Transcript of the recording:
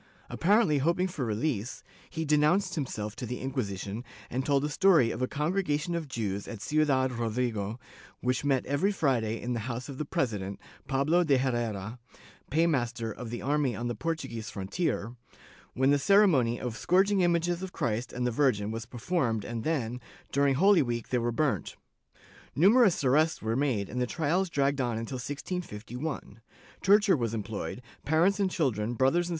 Apparently hoping for release, he denounced himself to the Inquisition and told a story of a congregation of Jews at Ciudad Rodrigo, which met every Friday in the house of the president, Pablo de Herrera, paymaster of the army on the Portuguese frontier, when the ceremony of scourging images of Christ and the Virgin was performed and then, during Holy week, they were burnt. Numerous arrests were made and the trials dragged on until 1651; torture was employed, parents and children, brothers and.